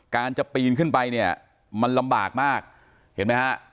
การจะปีนขึ้นไปเนี่ยมันลำบากมากเห็นไหมฮะ